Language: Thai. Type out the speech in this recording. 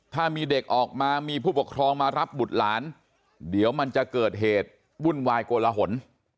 ถ้ามีเด็กออกมามีผู้ปกครองมารับบุตรหลานเดี๋ยวมันจะเกิดเหตุวุ่นวายโกลหน